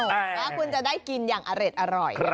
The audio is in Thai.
แล้วคุณจะได้กินอย่างอร่อย